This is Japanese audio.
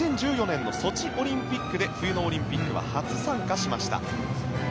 ２０１４年のソチオリンピックで冬のオリンピックは初参加しました。